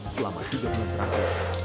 selama tiga bulan terakhir